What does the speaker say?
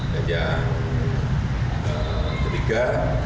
dan yang ketiga